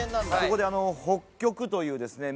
ここで北極というですね